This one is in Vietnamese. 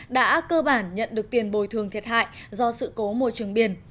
đã cơ bản nhận được tiền bồi thường thiệt hại do sự cố môi trường biển